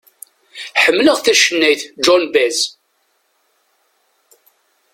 Ḥemleɣ tacennayt Joan Baez.